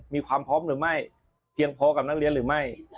มีความพร้อมหรือไม่เพียงพอกับนักเรียนหรือไม่